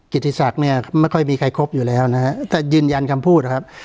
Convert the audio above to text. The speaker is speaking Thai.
กิจศักดิ์เนี่ยไม่ค่อยมีใครครบอยู่แล้วนะฮะแต่ยืนยันคำพูดนะครับ